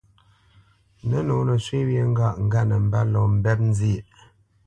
Nə̌nǒ nə shwé wyê ŋgâʼ ŋgât nə mbə́ lɔ mbɛ́p nzyêʼ.